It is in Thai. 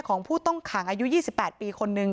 พร้อมด้วยผลตำรวจเอกนรัฐสวิตนันอธิบดีกรมราชทัน